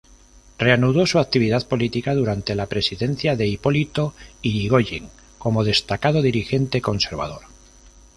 Reanudó su actividad política durante la presidencia de Hipólito Yrigoyen, como destacado dirigente conservador.